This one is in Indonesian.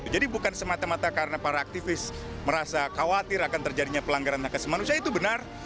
jadi bukan semata mata karena para aktivis merasa khawatir akan terjadinya pelanggaran hak asli manusia itu benar